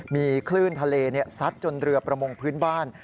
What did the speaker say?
มีคลื่นทะเลซัดจนเรือประมงพื้นบ้าน